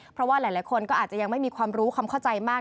เพราะว่าหลายคนก็อาจจะยังไม่มีความรู้ความเข้าใจมาก